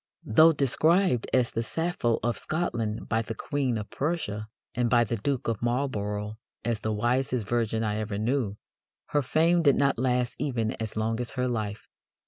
Though described as "the Sappho of Scotland" by the Queen of Prussia, and by the Duke of Marlborough as "the wisest virgin I ever knew," her fame did not last even as long as her life.